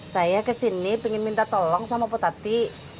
saya kesini pengen minta tolong sama potati